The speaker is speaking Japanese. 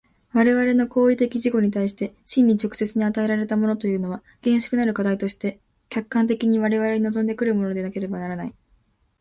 我々の行為的自己に対して真に直接に与えられたものというのは、厳粛なる課題として客観的に我々に臨んで来るものでなければならない。